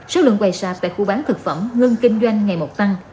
số lượng quầy sạp tại khu bán thực phẩm ngưng kinh doanh ngày một tăng